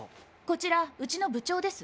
こちらうちの部長です。